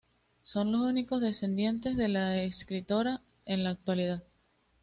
Son los únicos descendientes de la escritora en la actualidad.